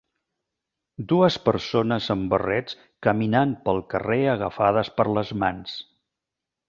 dues persones amb barrets caminant pel carrer agafades per les mans.